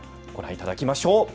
ご覧いただきましょう。